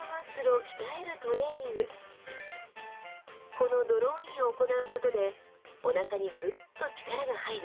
このドローインを行うことでおなかにグッと力が入る